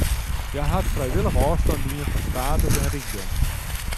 Hja hat frijwillich ôfstân dien fan status en rykdom.